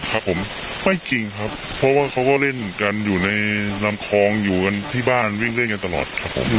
ครับผมไม่จริงครับเพราะว่าเขาก็เล่นกันอยู่ในลำคลองอยู่กันที่บ้านวิ่งเล่นกันตลอดครับผม